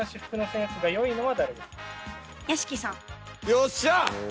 よっしゃ！